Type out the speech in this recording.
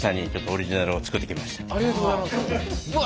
ありがとうございます！